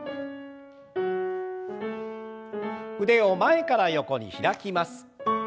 腕を前から横に開きます。